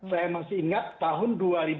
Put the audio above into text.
saya masih ingat tahun dua ribu tujuh belas